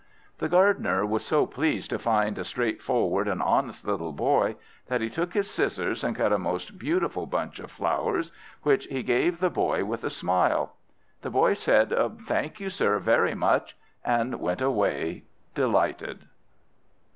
The Gardener was so pleased to find a straightforward and honest little boy, that he took his scissors and cut a most beautiful bunch of flowers, which he gave the boy with a smile. The boy said, "Thank you, sir, very much!" and went away delighted.